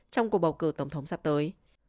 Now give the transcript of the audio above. trong cuộc bầu cử tổng thống sắp tới